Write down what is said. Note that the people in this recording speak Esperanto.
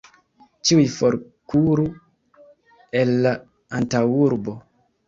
Ĉiuj forkuru el la antaŭurbo!